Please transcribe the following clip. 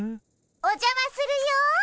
おじゃまするよ。